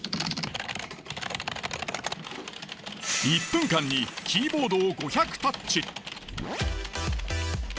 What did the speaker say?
１分間にキーボードを５００タッチ。